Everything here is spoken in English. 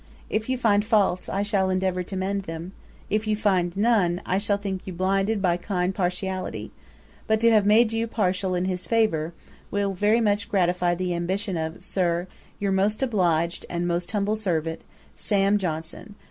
If you find faults, I shall endeavour to mend them; if you find none, I shall think you blinded by kind partiality: but to have made you partial in his favour, will very much gratify the ambition of, Sir, 'Your most obliged 'And most humble servant, 'SAM. JOHNSON.'